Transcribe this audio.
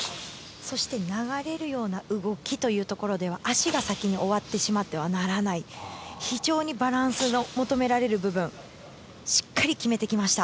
そして流れるような動きというところでは足が先に終わってしまってはならない非常にバランスの求められる部分しっかり決めてきました。